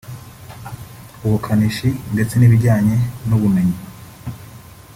ubukanishi ndetse n’ibijyanye n’ubumenyi